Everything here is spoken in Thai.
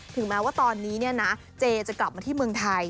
ถึงแม้ว่าตอนนี้เจจะกลับมาที่เมืองไทย